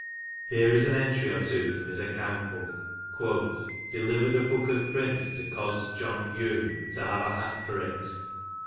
Here is an entry or two from his account book :" Delivered a book of prints to coz. John Hulme, to have a hat for it."